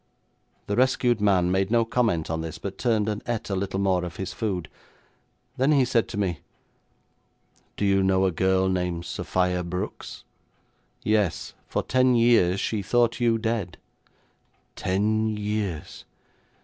The rescued man made no comment on this, but turned and ate a little more of his food. Then he said to me: 'Do you know a girl named Sophia Brooks?' 'Yes. For ten years she thought you dead.' 'Ten years!